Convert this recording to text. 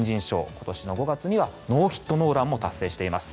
今年の５月にはノーヒット・ノーランも達成しています。